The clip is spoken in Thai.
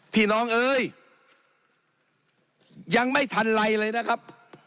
พี่น้องเอ้ยยังไม่ทันไรเลยนะครับ